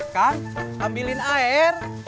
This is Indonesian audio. kang ambilin air